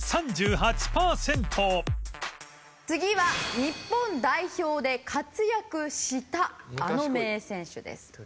次は日本代表で活躍したあの名選手です。